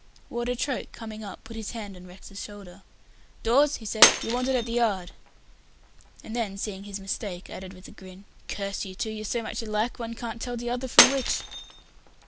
Warder Troke, coming up, put his hand on Rex's shoulder. "Dawes," he said, "you're wanted at the yard"; and then, seeing his mistake, added with a grin, "Curse you two; you're so much alike one can't tell t'other from which."